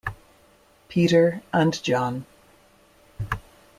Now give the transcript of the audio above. Peter and John.